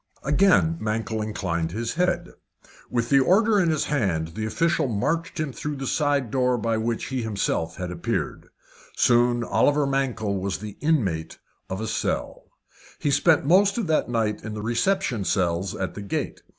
Again Mankell inclined his head. With the order in his hand, the official marched him through the side door by which he had himself appeared. Soon Oliver Mankell was the inmate of a cell. He spent that night in the reception cells at the gate.